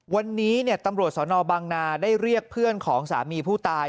วันนี้ตำรวจสนบางนาได้เรียกเพื่อนของสามีผู้ตาย